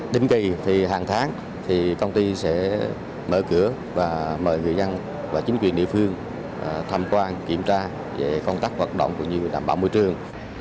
định kỳ thì hàng tháng thì công ty sẽ mở cửa và mời người dân và chính quyền địa phương tham quan kiểm tra về công tác hoạt động cũng như đảm bảo môi trường